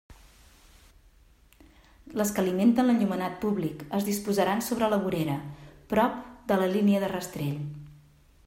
Les que alimenten l'enllumenat públic es disposaran sobre la vorera, prop de la línia de rastell.